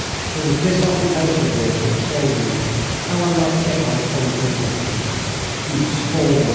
It was this occupation of his which showed me how I might get my point into him. 'You spawn!'